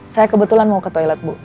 saya kebetulan mau ke toilet bu